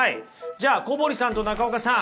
じゃあ小堀さんと中岡さん。